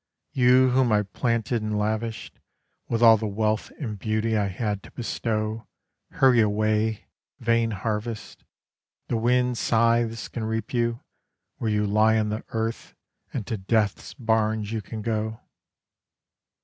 You whom I planted and lavished With all the wealth and beauty I had to bestow Hurry away, vain harvest, The winds' scythes can reap you, Where you lie on the earth, and to death's barns you can go.